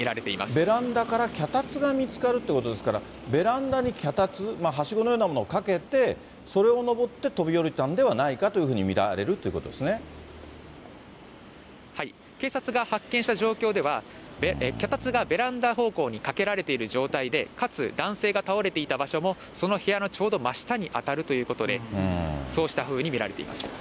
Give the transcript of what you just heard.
ベランダから脚立が見つかるってことですから、ベランダに脚立、はしごのようなものをかけて、それを上って飛び降りたんではないかというふうに見られるという警察が発見した状況では、脚立がベランダ方向にかけられている状態で、かつ男性が倒れていた場所もその部屋のちょうど真下に当たるということで、そうしたふうに見られています。